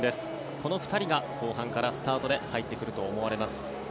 この２人が後半からスタートで入ってくると思われます。